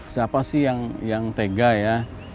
siapa sih yang tega ya